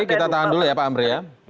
kita tahan dulu ya pak amri ya